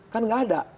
kan nggak ada